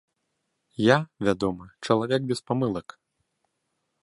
Я, вядома, чалавек без памылак.